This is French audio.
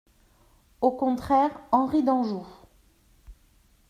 Au contraire Henri d'Anjou.